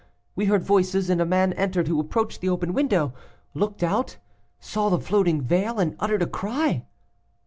We heard voices, and a man entered who approached the open window, looked out, saw the floating veil, and uttered a cry.